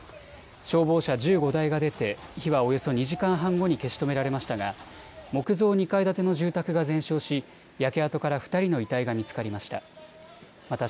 消防車１５台が出て火はおよそ２時間半後に消し止められましたが木造２階建ての住宅が全焼し焼け跡から２人の遺体が見つかりました。